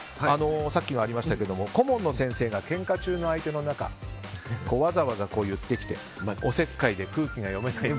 さっきもありましたが顧問の先生がけんか中の相手のことをわざわざ言ってきておせっかいで空気が読めないと。